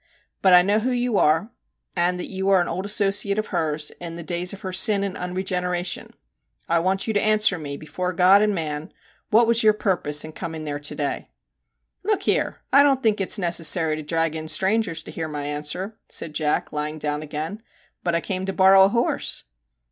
But I know who you are, and that you are an old associate of hers, in the days of her sin and unregeneration. I want you to answer me, before God and man, what was your purpose in coming there to day ?'' Look here ! I don't think it 's necessary to drag in strangers to hear my answer/ said Jack, lying down again, ' but I came to borrow a horse.'